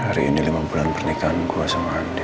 hari ini lima bulan pernikahan gue sama andi